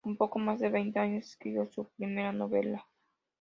Con poco más de veinte años, escribió su primera novela.